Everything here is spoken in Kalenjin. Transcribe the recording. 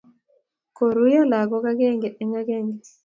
Koruiyo lagok agenge eng agenge.